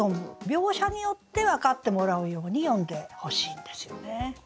描写によって分かってもらうように詠んでほしいんですよね。